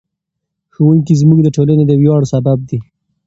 ښوونکي زموږ د ټولنې د ویاړ سبب دي.